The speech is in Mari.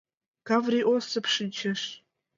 Каврий Осып шинчеш.